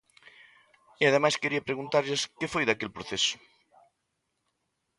E ademais quería preguntarlles que foi daquel proceso.